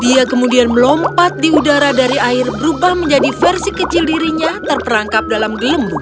dia kemudian melompat di udara dari air berubah menjadi versi kecil dirinya terperangkap dalam gelembung